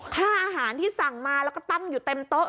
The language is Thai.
ค่าอาหารที่สั่งมาแล้วก็ตั้งอยู่เต็มโต๊ะ